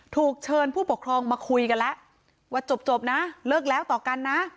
ถูกเชิญผู้ปกครองมาคุยกันแล้วว่าจบนะเลิกแล้วต่อกันนะ